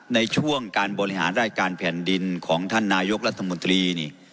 ในช่วงการบริหารราชการแผ่นดินของท่านนายกรัฐมนตรีนี่